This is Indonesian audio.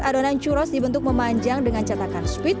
adonan churros dibentuk memanjang dengan catakan sweet